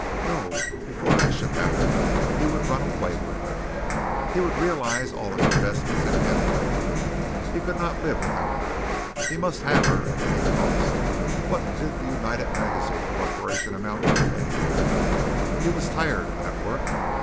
No, before that should happen, he would run away with her. He would realize all his investments and get away. He could not live without her. He must have her at any cost. What did the United Magazine Corporation amount to, anyway? He was tired of that work.